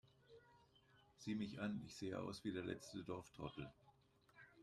Sieh mich an, ich sehe aus wie der letzte Dorftrottel